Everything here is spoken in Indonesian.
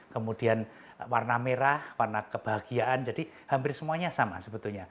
kemudian warna merah warna kebahagiaan jadi hampir semuanya sama sebetulnya